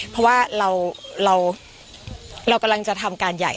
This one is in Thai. เพราะว่าเรากำลังจะทำการใหญ่